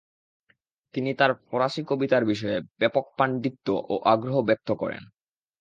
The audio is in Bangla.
তিনি তার ফরাসি কবিতার বিষয়ে ব্যাপক পাণ্ডিত্য ও আগ্রহ ব্যক্ত করেন।